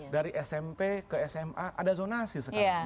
dari smp ke sma ada zonasi sekarang